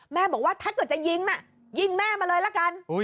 แม่บอกว่าถ้าเกิดจะยิงอยิงแม่มาเลยแล้วกัน